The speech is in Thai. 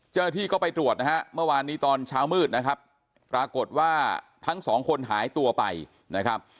เจ้าหน้าที่ก็ไปตรวจนะฮะเมื่อวานนี้ตอนเช้ามืดนะครับปรากฏว่าทั้งสองคนหายตัวไปนะครับ